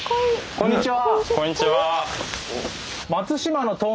こんにちは。